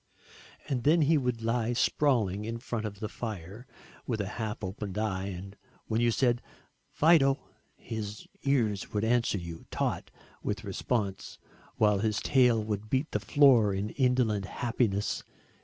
And then he would lie sprawling in front of the fire with a half open eye and when you said "Fido" his ears would answer you, taut with response, while his tail would beat the floor in indolent happiness.